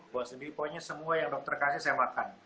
buat sendiri pokoknya semua yang dokter kasih saya makan